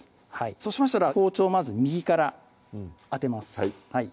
そうしましたら包丁をまず右から当てます